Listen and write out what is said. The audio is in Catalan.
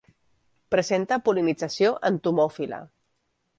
Presenta pol·linització entomòfila.